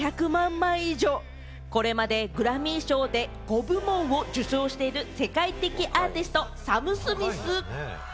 枚以上、これまでグラミー賞で５部門を受賞している世界的アーティスト、サム・スミス。